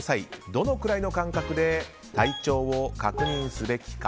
どのくらいの間隔で体調を確認すべきか。